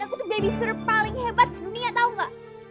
aku tuh babysitter paling hebat di dunia tau nggak